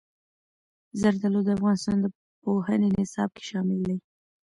زردالو د افغانستان د پوهنې نصاب کې شامل دي.